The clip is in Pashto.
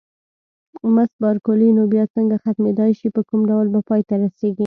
مس بارکلي: نو بیا څنګه ختمېدای شي، په کوم ډول به پای ته رسېږي؟